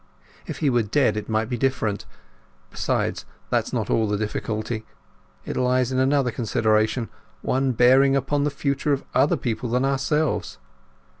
If he were dead it might be different... Besides, that's not all the difficulty; it lies in another consideration—one bearing upon the future of other people than ourselves.